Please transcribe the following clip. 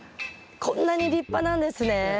こんなに立派なんですね。